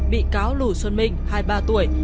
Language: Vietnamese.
bị cáo lù xuân minh hai mươi ba tuổi